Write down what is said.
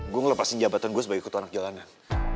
gue ngelepasin jabatan gue sebagai ketua anak jalanan